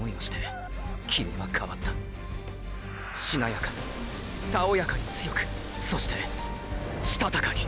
しなやかにたおやかに強くそしてしたたかに！！